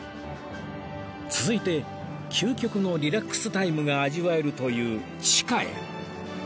続いて究極のリラックスタイムが味わえるという地下へ